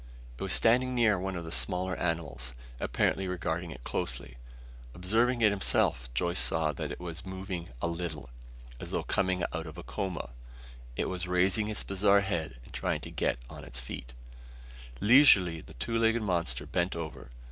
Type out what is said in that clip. It was standing near one of the smaller animals, apparently regarding it closely. Observing it himself, Joyce saw that it was moving a little. As though coming out of a coma, it was raising its bizarre head and trying to get on its feet. Leisurely the two legged monster bent over it.